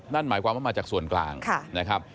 นั่นหมายความว่ามาจากส่วนกลางนะครับ